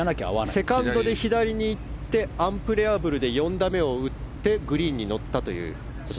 セカンドで左にいってアンプレヤブルで４打目を打ってグリーンに乗ったという。